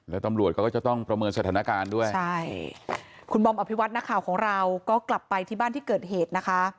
แล้วตำรวจเขาก็จะต้องประเมินสถานการณ์ด้วยใช่คุณบอมอภิวัตินักข่าวของเราก็กลับไปที่บ้านที่เกิดเหตุนะคะ